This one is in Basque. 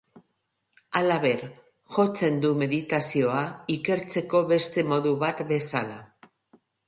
Halaber, jotzen du meditazioa ikertzeko beste modu bat bezala.